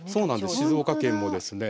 静岡県もですね